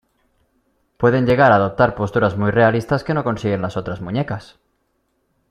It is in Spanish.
Pueden llegar a adoptar posturas muy realistas que no consiguen las otras muñecas.